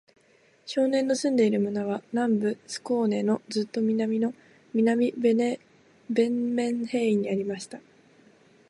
少年の住んでいる村は、南部スコーネのずっと南の、西ヴェンメンヘーイにありました。